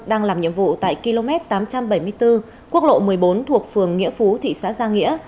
đang làm nhiệm vụ tại km tám trăm bảy mươi bốn quốc lộ một mươi bốn thuộc phường nghĩa phú thị xã gia nghĩa